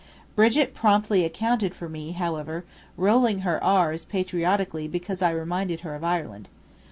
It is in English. Brigit promptly accounted for me, however, rolling her "r's" patriotically because I reminded her of Ireland.